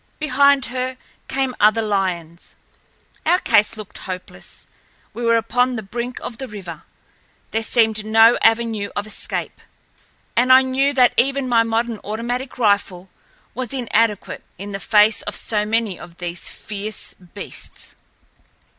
Behind her came other lions. Our case looked hopeless. We were upon the brink of the river. There seemed no avenue of escape, and I knew that even my modern automatic rifle was inadequate in the face of so many of these fierce beasts.